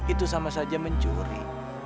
itu sama saja mencuri